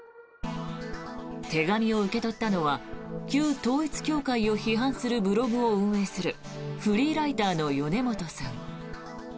手紙を受け取ったのは旧統一教会を批判するブログを運営するフリーライターの米本さん。